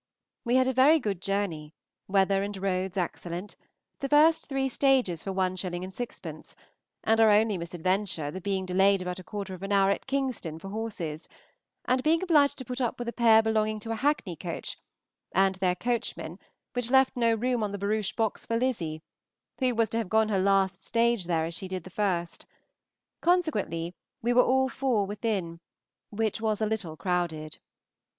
We had a very good journey, weather and roads excellent; the three first stages for 1_s._ 6_d._, and our only misadventure the being delayed about a quarter of an hour at Kingston for horses, and being obliged to put up with a pair belonging to a hackney coach and their coachman, which left no room on the barouche box for Lizzy, who was to have gone her last stage there as she did the first; consequently we were all four within, which was a little crowded.